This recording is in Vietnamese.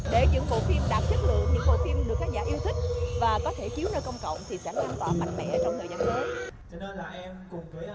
để những bộ phim đạt chất lượng những bộ phim được khán giả yêu thích và có thể chiếu nơi công cộng thì sẽ lan tỏa mạnh mẽ trong thời gian tới